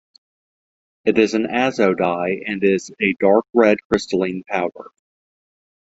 It is an azo dye, and is a dark red crystalline powder.